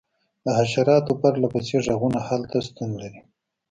د حشراتو پرله پسې غږونه هلته شتون لري